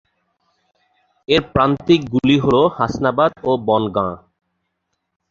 এর প্রান্তিক গুলি হল হাসনাবাদ ও বনগাঁ।